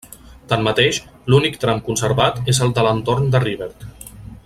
Tanmateix, l'únic tram conservat és el de l'entorn de Rivert.